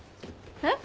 えっ？